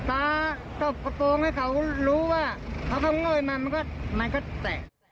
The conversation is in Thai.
ตาตบกระโกงให้เขารู้ว่าเขาเข้าเงยมามันก็แตก